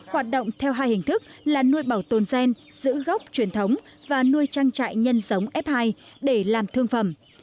hoạt động theo hai hình thức là nuôi bảo tồn gen giữ gốc truyền thống và nuôi trang trại nhân giống f hai để làm thương phẩm